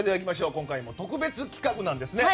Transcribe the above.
今回も特別企画なんですね。